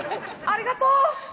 ありがとう！